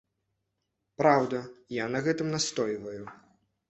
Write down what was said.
Праўда, я на гэтым настойваю.